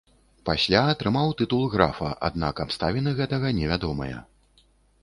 Пасля атрымаў тытул графа, аднак абставіны гэтага невядомыя.